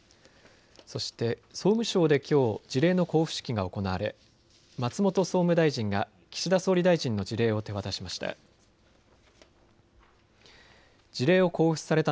そして総務省できょう、辞令の交付式が行われ松本総務大臣が岸田総理大臣の辞令を手渡しました。